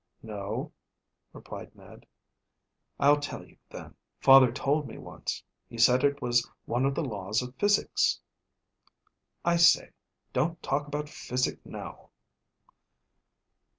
"No," replied Ned. "I'll tell you, then. Father told me once. He said it was one of the laws of physics." "I say, don't talk about physic now."